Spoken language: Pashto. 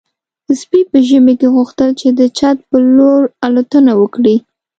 سپي په ژمي کې غوښتل چې د چت په لور الوتنه وکړي.